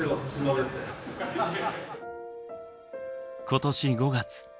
今年５月。